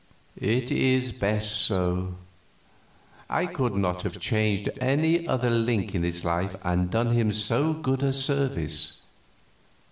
"It is best so. I could not have changed any other link in his life and done him so good a service.